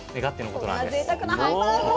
こんなぜいたくなハンバーグを。